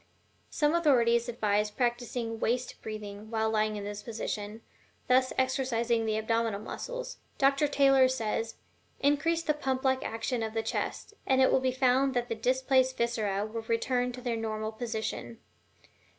Some authorities advise practicing waist breathing while lying in this position, thus exercising the abdominal muscles. Dr. Taylor says: "Increase the pump like action of the chest, and it will be found that the displaced viscera will return to their normal position."